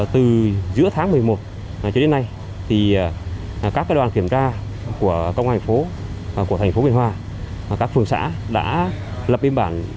từ giữa tháng một mươi một cho đến nay các đoàn kiểm tra của công an phố của thành phố yên hòa các phường xã đã lập biên bản